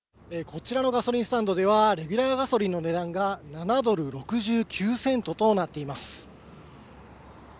こちらのガソリンスタンドではレギュラーガソリンの値段が７ドル６９セントとなっています。